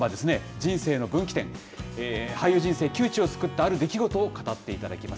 人生の分岐点、俳優人生の窮地を救ったある出来事を語っていただきます。